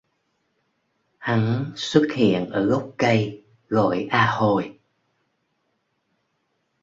Hắn xuất hiện ở gốc cây gọi a hồi